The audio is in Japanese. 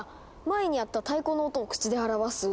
前にやった太鼓の音を口で表す。